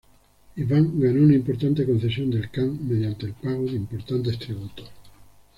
Iván ganó una importante concesión del Khan mediante el pago de importantes tributos.